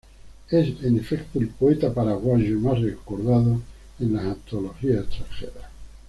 Es, en efecto, el poeta paraguayo más recordado en las antologías extranjeras.